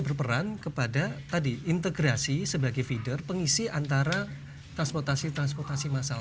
berperan kepada tadi integrasi sebagai feeder pengisi antara transportasi transportasi masal